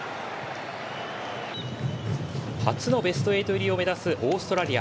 初のベスト８入りを目指すオーストラリア。